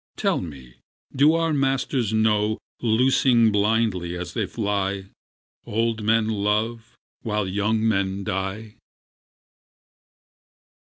Tell me, do our masters know, Loosing blindly as they fly, Old men love while young men die?